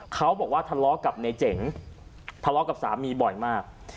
เขาบอกว่าทะเลาะกับในเจ๋งทะเลาะกับสามีบ่อยมาก